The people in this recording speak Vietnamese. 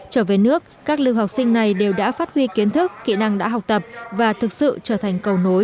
trở về nước các lưu học sinh này đều đã phát huy kiến thức kỹ năng đã học tập và thực sự trở thành cầu nối cho tình hữu nghị giữa hai nước